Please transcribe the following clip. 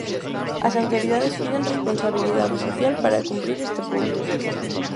As autoridades piden responsabilidade social para cumprir este punto.